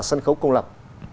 sân khấu công lập